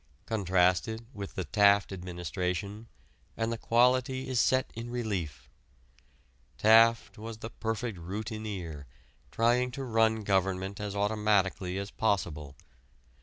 Contrast it with the Taft administration, and the quality is set in relief. Taft was the perfect routineer trying to run government as automatically as possible.